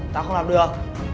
tao không làm được